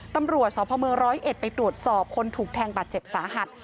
ตำรวจสพเมืองร้อยเอ็ดไปตรวจสอบคนถูกแทงบาดเจ็บสาหัส